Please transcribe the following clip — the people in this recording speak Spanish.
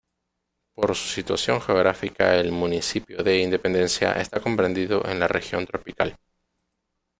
Por su situación geográfica el Municipio de Independencia está comprendido en la región tropical.